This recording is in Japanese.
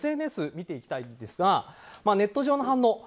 ＳＮＳを見ていきたいんですがネット上の反応。